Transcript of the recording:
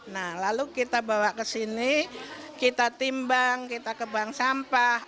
nah lalu kita bawa ke sini kita timbang kita ke bank sampah